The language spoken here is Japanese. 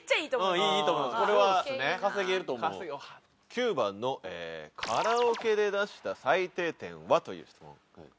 ９番のカラオケで出した最低点は？という質問。